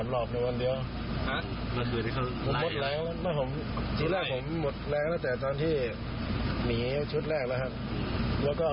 มดแล้งจิละผมมดแล้งตัวตอนที่หนีชุดแรกแล้วครับ